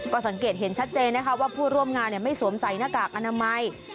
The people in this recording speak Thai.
ก็สังเกตเห็นชัดเจนนะคะว่าผู้ร่วมงานไม่สวมใส่หน้ากากอนามัย